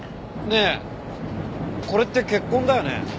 ねえこれって血痕だよね？